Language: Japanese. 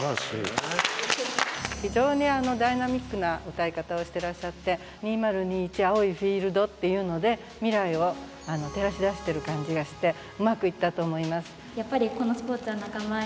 非常にダイナミックなうたい方をしてらっしゃって「２０２１青いフィールド」っていうので未来を照らし出してる感じがしてうまくいったと思います。